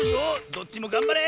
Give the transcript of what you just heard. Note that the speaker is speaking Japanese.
どっちもがんばれ！